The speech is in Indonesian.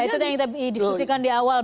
itu yang kita diskusikan di awal